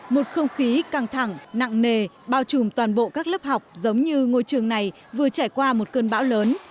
một không khí căng thẳng nặng nề bao trùm toàn bộ các lớp học giống như ngôi trường này vừa trải qua một cơn bão lớn